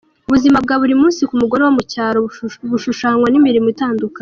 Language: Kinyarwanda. Ubuzima bwa buri munsi ku mugore wo mu cyaro bushushanywa n’imirimo itandukanye.